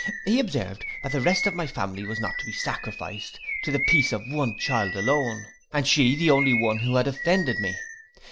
He observed, that the rest of my family was not to be sacrificed to the peace of one child alone, and she the only one who had offended me.